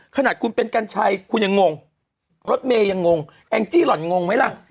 ขนาดคุณเป็นกัญชัยคุณยังงงรถเมย์ยังงงแองจี้หล่อนงงไหมล่ะ